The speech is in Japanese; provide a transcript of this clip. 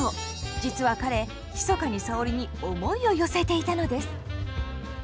実は彼ひそかに沙織に思いを寄せていたのです。